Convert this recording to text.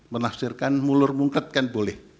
menafsirkan mulur mungkat kan boleh